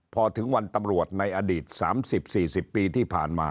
พอถึงวันตำรวจในอดีต๓๐๔๐ปีที่ผ่านมา